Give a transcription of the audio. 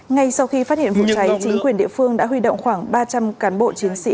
ngay sau khi phát hiện vụ cháy chính quyền địa phương đã huy động khoảng ba trăm linh cán bộ chiến sĩ